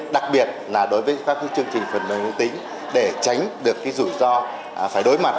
đặc biệt là đối với các chương trình phần mềm nguyên tính để tránh được rủi ro phải đối mặt